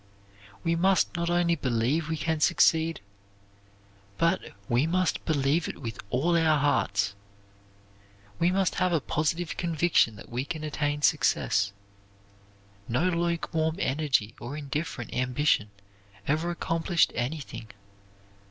We must not only believe we can succeed, but we must believe it with all our hearts. We must have a positive conviction that we can attain success. No lukewarm energy or indifferent ambition ever accomplished anything.